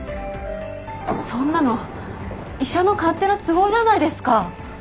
そんなの医者の勝手な都合じゃないですか。